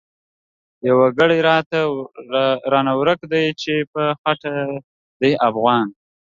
يو وګړی رانه ورک دی چی په خټه دی افغان